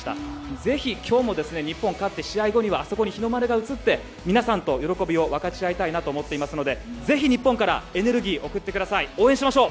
ぜひ今日も日本勝って試合後には、あそこに日の丸が映って、皆さんと喜びを分かち合いたいなと思っていますのでぜひ日本からエネルギーを送ってください。